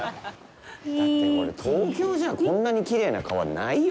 だって、これ東京じゃこんなにきれいな川ないよ。